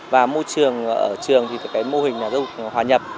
và môi trường ở trường thì mô hình là hòa nhập